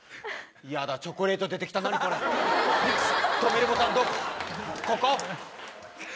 やだチョコレート出てきた何これ？